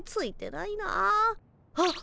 あっ！